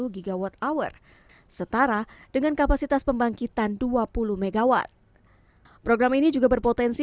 satu ratus empat puluh gigawatt hour setara dengan kapasitas pembangkitan dua puluh mw program ini juga berpotensi